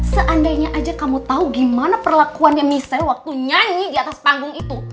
seandainya aja kamu tahu gimana perlakuan michelle waktu nyanyi di atas panggung itu